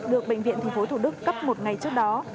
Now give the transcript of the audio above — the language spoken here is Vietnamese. được bệnh viện tp thủ đức cấp một ngày trước đó